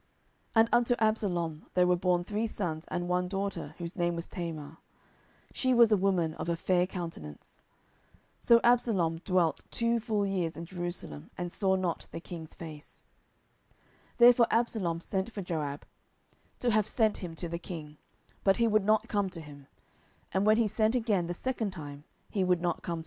10:014:027 And unto Absalom there were born three sons, and one daughter, whose name was Tamar: she was a woman of a fair countenance. 10:014:028 So Absalom dwelt two full years in Jerusalem, and saw not the king's face. 10:014:029 Therefore Absalom sent for Joab, to have sent him to the king; but he would not come to him: and when he sent again the second time, he would not come.